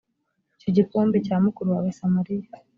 icyo gikombe cya mukuru wawe samariya